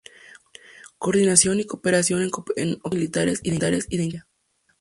Coordinación y cooperación en operaciones militares y de inteligencia.